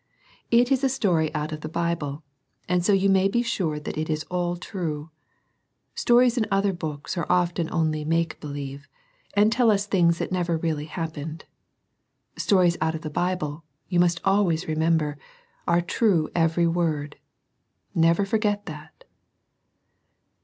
It is a story out of the Bible, and so you may be sure that it is all true. Stories in other books are often only "make believe," and tell us things that never really happened. Stories out of the Bible, you must always remember, are true every word. Never forget that